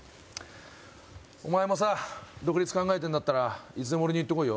お前もさ独立考えてるんだったらいつでも俺に言ってこいよ